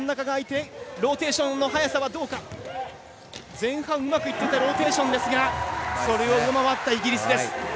前半うまくいっていたローテーションそれを上回ったイギリス。